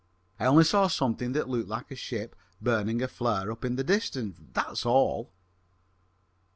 I only saw something that looked like a ship burning a flare up in the distance that's all."